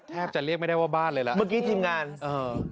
จะเรียกไม่ได้ว่าบ้านเลยล่ะเมื่อกี้ทีมงานเออ